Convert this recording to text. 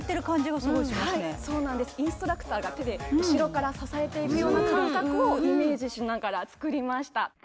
インストラクターが手で後ろから支えているような感覚をイメージしながらつくりました